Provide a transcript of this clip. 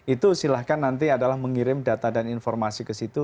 itu silahkan nanti adalah mengirim data dan informasi ke situ